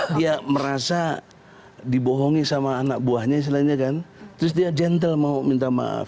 dia merasa dibohongi sama anak buahnya istilahnya kan terus dia gentle mau minta maaf